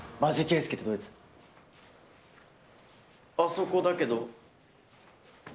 あそこだけど。